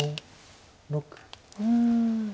うん。